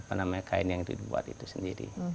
bagaimana kerafian kain yang dibuat itu sendiri